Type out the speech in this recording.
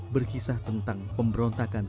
berkisah tentang pemberontakan